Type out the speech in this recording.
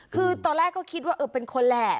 คือตอนแรกก็คิดว่าเออเป็นคนแหละ